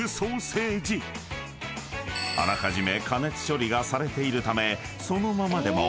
［あらかじめ］